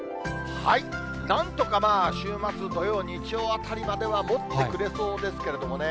なんとかまあ、週末土曜、日曜あたりまではもってくれそうですけれどもね。